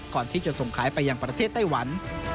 ก่อนที่จะส่งขายไปยังประเทศไต้หวัน